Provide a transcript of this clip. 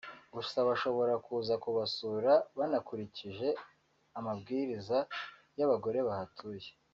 gusa bashobora kuza kubasura banakurikije amabwiriza y’abagore bahatuye